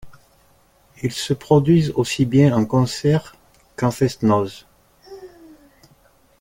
Ils se produisent aussi bien en concert qu'en fest-noz.